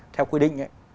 theo quy định ấy